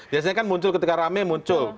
biasanya kan muncul ketika rame muncul